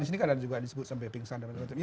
di sini kadang juga disebut sampai pingsan